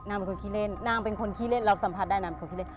เป็นคนขี้เล่นนางเป็นคนขี้เล่นเราสัมผัสได้นางเป็นคนขี้เล่น